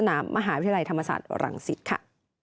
อาหารวิทยาลัยธรรมศาสตร์หลังศิษย์ค่ะ